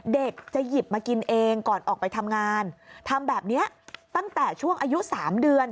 เด็กจะหยิบมากินเองก่อนออกไปทำงานทำแบบนี้ตั้งแต่ช่วงอายุ๓เดือน